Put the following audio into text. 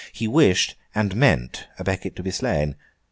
he wished, and meant à Becket to be slain.